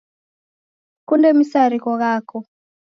Sikunde misarigho ghako.